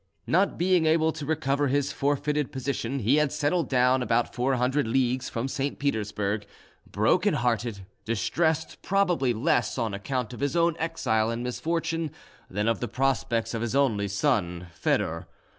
Not being able to recover his forfeited position, he had settled down about four hundred leagues from St. Petersburg; broken hearted, distressed probably less on account of his own exile and misfortune than of the prospects of his only son, Foedor.